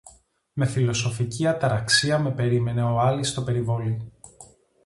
Με φιλοσοφική αταραξία με περίμενε ο Άλης στο περιβόλι